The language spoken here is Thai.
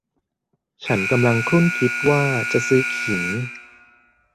ฉันกำลังครุ่นคิดว่าจะซื้อขิง